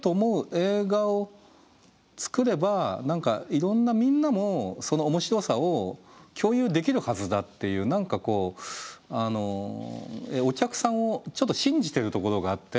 映画を作ればいろんなみんなもその面白さを共有できるはずだっていう何かこうお客さんをちょっと信じてるところがあって。